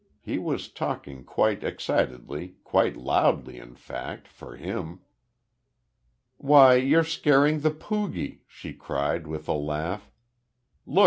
He was talking quite excitedly, quite loudly in fact, for him. "Why, you're scaring the poogie," she cried, with a laugh. "Look.